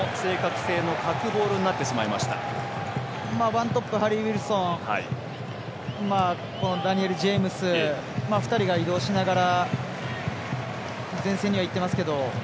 ワントップ、ハリー・ウィルソンダニエル・ジェームズ２人が移動しながら前線にはいってますけど。